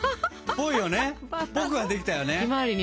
ぽくはできたよね。